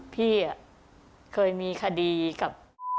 พี่เคยมีคดีกับ